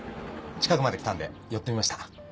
近くまで来たんで寄ってみました。